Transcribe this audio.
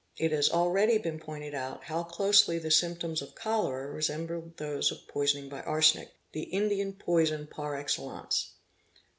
It has already been pointed out how closely the symptoms of ' cholera resemble those of poisoning by arsenic, the Indian poison par excellence.